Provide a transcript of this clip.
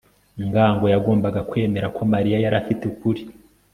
ngango yagombaga kwemera ko mariya yari afite ukuri